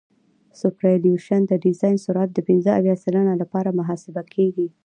سوپرایلیویشن د ډیزاین سرعت د پنځه اویا سلنه لپاره محاسبه کیږي